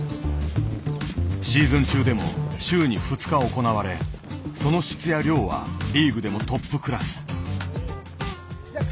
シーズン中でも週に２日行われその質や量はリーグでもトップクラス。